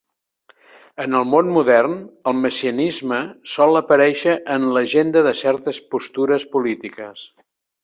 En el món modern, el messianisme sol aparèixer en l'agenda de certes postures polítiques.